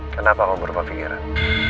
kenapa kamu berubah pikiran